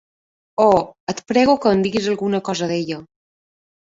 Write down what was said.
Oh, et prego que em diguis alguna cosa d'ella.